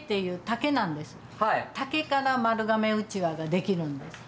竹から丸亀うちわができるんです。